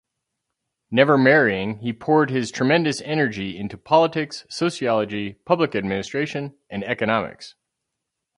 Never marrying, he poured his tremendous energy into politics, sociology, public administration and economics.